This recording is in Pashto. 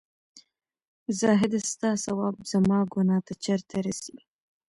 زاهـده سـتـا ثـواب زمـا ګـنـاه تـه چېرته رسـي